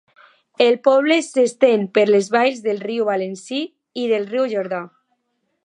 El poble s'estén per les valls del riu Valency i del riu Jordà.